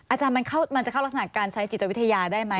อาจารย์มันจะเข้ารักษณะการใช้จิตวิทยาได้ไหม